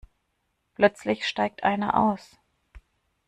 Plötzlich steigt einer aus.